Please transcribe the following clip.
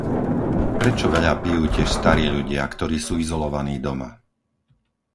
Prečo veľa pijú tiež starí ľudia, ktorí sú izolovaní doma?